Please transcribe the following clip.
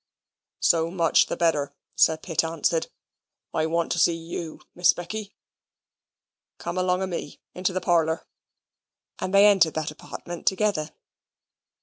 "So much the better," Sir Pitt answered. "I want to see YOU, Miss Becky. Come along a me into the parlour," and they entered that apartment together.